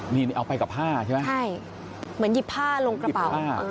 นี่เอาไปกับผ้าใช่ไหมใช่เหมือนหยิบผ้าลงกระเป๋า